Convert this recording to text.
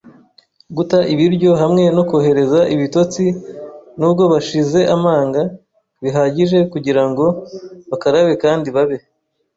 guta ibiryo hamwe no kohereza ibitotsi, nubwo bashize amanga bihagije kugirango bakarabe kandi babe